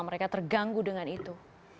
mereka terganggu dengan itu